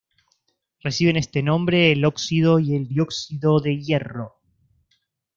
Reciben este nombre el óxido y el dióxido de hierro.